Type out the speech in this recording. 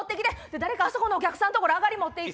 誰かあそこのお客さんの所あがり持って行って！